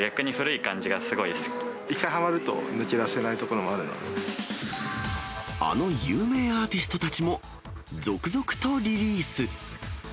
一回はまると、抜け出せないあの有名アーティストたちも、続々とリリース。